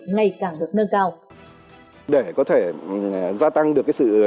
ngày càng được nâng cao